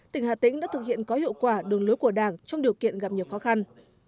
tỉnh hà tĩnh đã thực hiện có hiệu quả đường lối của đảng trong điều kiện gặp nhiều khó khăn